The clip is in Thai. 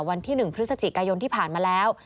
วันที่๑พฤศจิกายนที่ผ่านมาแล้ว